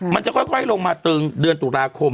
มันจะค่อยลงมาตึงเดือนตุลาคม